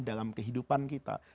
dalam kehidupan kita